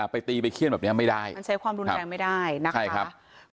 ไปตีไปเขี้ยนแบบนี้ไม่ได้มันใช้ความรุนแรงไม่ได้นะคะใช่ครับ